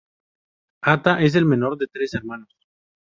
Hata es el menor de tres hermanos.